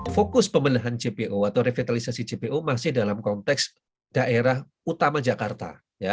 fokus pembenahan jpo atau revitalisasi jpo masih dalam konteks daerah utama jakarta